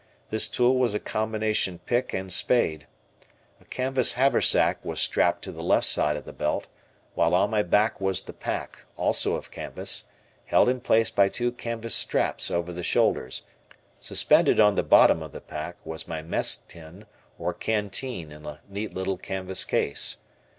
This tool was a combination pick and spade. A canvas haversack was strapped to the left side of the belt, while on my back was the pack, also of canvas, held in place by two canvas straps over the shoulders; suspended on the bottom of the pack was my mess tin or canteen in a neat little canvas case.